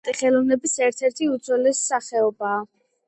ნახატი ხელოვნების ერთ-ერთი უძველესი სახეობაა.